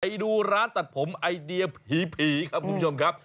ไปดูร้านตัดผมไอเดียผีครับคุณผู้ชมครับ